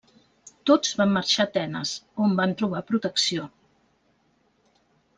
Tots van marxar a Atenes, on van trobar protecció.